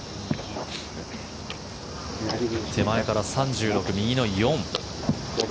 手前から３６右から４。